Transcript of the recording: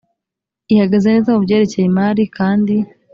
ihagaze neza mu byerekeye imari kandi